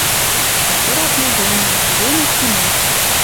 Хытырат мӓ донна, пыренӹт кинош.